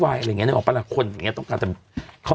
วายอะไรอย่างเงี้ยนี่ของปัญหาคนอย่างเงี้ยต้องการแต่เขา